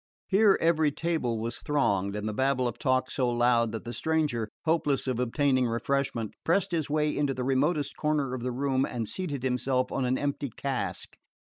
Here every table was thronged, and the babble of talk so loud that the stranger, hopeless of obtaining refreshment, pressed his way into the remotest corner of the room and seated himself on an empty cask.